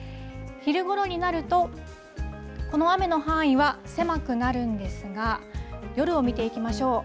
昼ごろになるとこの雨の範囲は狭くなるんですが夜を見ていきましょう。